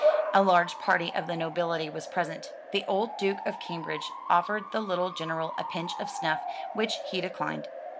A large party of the nobility was present. The old Duke of Cambridge offered the little General a pinch of snuff, which he declined.